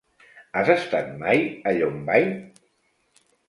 Has estat mai a Llombai?